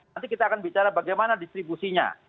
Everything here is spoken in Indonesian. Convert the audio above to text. nanti kita akan bicara bagaimana distribusinya